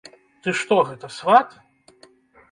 Ты што гэта, сват?